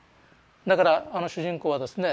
だからあの主人公はですね